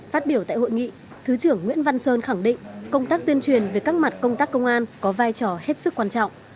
phát biểu tại hội nghị thứ trưởng nguyễn văn sơn khẳng định công tác tuyên truyền về các mặt công tác công an có vai trò hết sức quan trọng